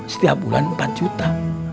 setiap bulan empat juta